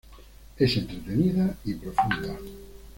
Es entretenida y profunda.